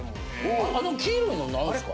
あの黄色いのん何すか？